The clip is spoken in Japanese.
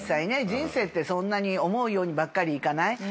人生ってそんなに思うようにばっかりいかない。